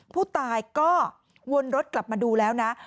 ผู้ตายก็วนรถกลับมาดูแล้วนะ